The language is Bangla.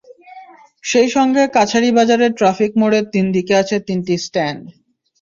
সেই সঙ্গে কাছারি বাজারের ট্রাফিক মোড়ের তিন দিকে আছে তিনটি স্ট্যান্ড।